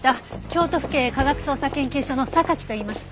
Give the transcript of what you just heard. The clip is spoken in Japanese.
京都府警科学捜査研究所の榊といいます。